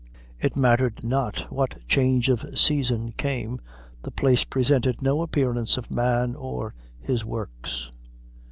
It mattered not what change of season came, the place presented no appearance of man or his works.